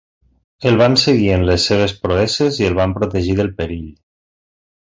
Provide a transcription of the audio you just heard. El van seguir en les seves proeses i el van protegir del perill.